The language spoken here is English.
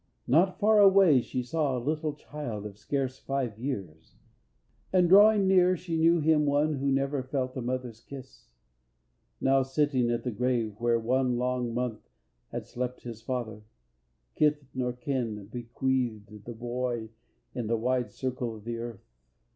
Not far away she saw a little child Of scarce five years, and drawing near she knew Him one who never felt a mother's kiss, Now sitting at the grave where one long month Had slept his father, kith nor kin bequeathed The boy in the wide circle of the earth.